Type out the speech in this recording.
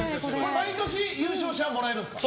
毎年優勝者はもらえるんですか？